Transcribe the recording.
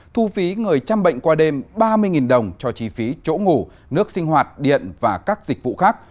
thu phí người chăm bệnh qua đêm ba mươi đồng cho chi phí chỗ ngủ nước sinh hoạt điện và các dịch vụ khác